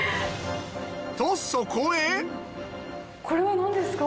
とそこへこれは何ですか？